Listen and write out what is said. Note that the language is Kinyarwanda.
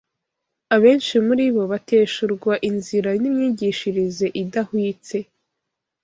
abenshi muri bo bateshurwa inzira n’imyigishirize idahwitse